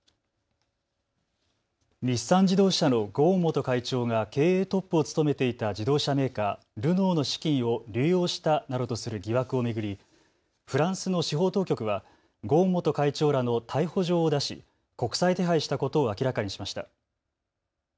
日産自動車のゴーン元会長が経営トップを務めていた自動車メーカー、ルノーの資金を流用したなどとする疑惑を巡り、フランスの司法当局は、ゴーン元会長らの逮捕状を出し国際手配したことを明らかにしました。